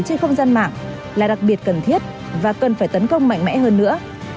trên không gian mạng là đặc biệt cần thiết và cần phải tấn công mạnh mẽ hơn nữa